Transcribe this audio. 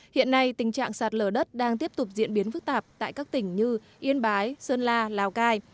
hiện nay tình trạng sạt lở đất đang tiếp tục diễn biến phức tạp tại các tỉnh như yên bái sơn la lào cai